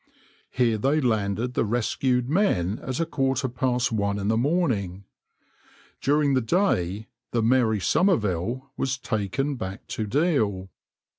Here they landed the rescued men at a quarter past one in the morning. During the day the {\itshape{Mary Somerville}} was taken back to Deal.